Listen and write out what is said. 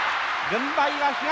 軍配は東。